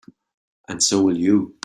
And so will you.